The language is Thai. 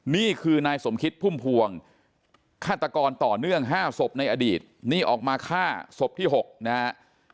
นี่คือนายสมคิดพุ่มพวงฆาตกรต่อเนื่อง๕ศพในอดีตนี่ออกมาฆ่าศพที่๖นะฮะ